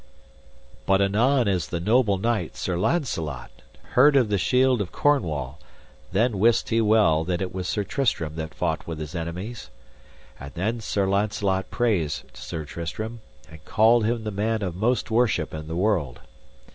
But anon as the noble knight, Sir Launcelot, heard of the shield of Cornwall, then wist he well that it was Sir Tristram that fought with his enemies. And then Sir Launcelot praised Sir Tristram, and called him the man of most worship in the world.